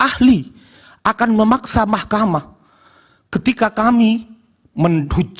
apakah ahli akan memaksa mahkamah ketika kami menuju ke mahkamah konstitusi